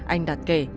anh đạt kể